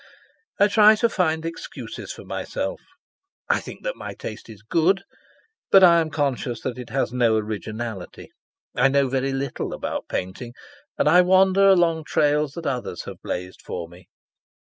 I try to find excuses for myself. I think that my taste is good, but I am conscious that it has no originality. I know very little about painting, and I wander along trails that others have blazed for me.